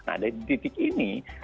nah dari titik ini